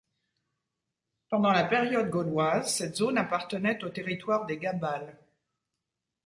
Pendant la période gauloise, cette zone appartenait au territoire des Gabales.